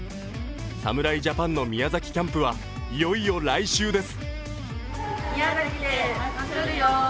侍ジャパンの宮崎キャンプはいよいよ来週です。